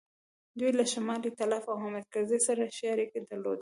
دوی له شمال ایتلاف او حامد کرزي سره ښې اړیکې درلودې.